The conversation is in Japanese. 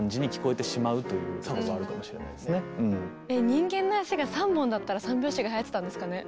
人間の足が３本だったら３拍子がはやってたんですかね。